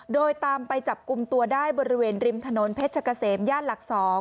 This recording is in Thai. โดยตามไปจับกลุ่มตัวได้บริเวณริมถนนเพชรเกษมย่านหลัก๒